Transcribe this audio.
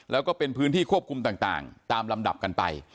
แล้วก็เป็นพื้นที่ควบคุมต่างตามลำดับกันไป